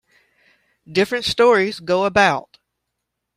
Different stories go about.